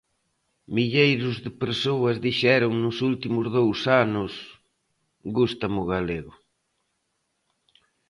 Milleiros de persoas dixeron nos últimos dous anos "gústame o galego!".